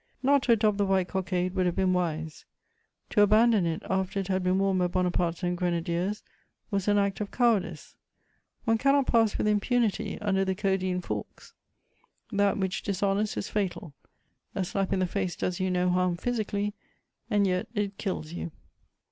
Not to adopt the white cockade would have been wise; to abandon it after it had been worn by Bonaparte's own Grenadiers was an act of cowardice: one cannot pass with impunity under the Caudine Forks; that which dishonours is fatal: a slap in the face does you no harm physically, and yet it kills you.